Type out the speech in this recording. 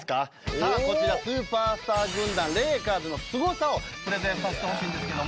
さぁこちらスーパースター軍団レイカーズのスゴさをプレゼンさせてほしいんですけども。